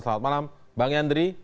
selamat malam bang yandri